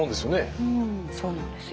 うんそうなんですよ。